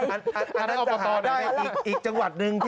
อันนั้นจะหาได้อีกจังหวัดหนึ่ง